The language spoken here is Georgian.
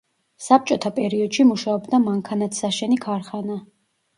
საბჭოთა პერიოდში მუშაობდა მანქანათსაშენი ქარხანა.